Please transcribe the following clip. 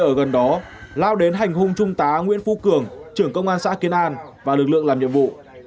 ở gần đó lao đến hành hung trung tá nguyễn phu cường trưởng công an xã kiến an và lực lượng làm nhiệm vụ